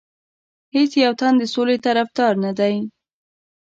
هیڅ یو تن د سولې طرفدار نه دی.